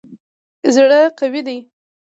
زړه قوي دی.